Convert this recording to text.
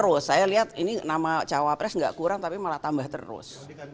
terus saya lihat ini nama cawapres nggak kurang tapi malah tambah terus